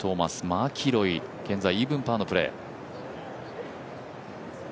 マキロイ、現在イーブンパーのプレー。